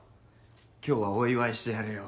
今日はお祝いしてやるよ。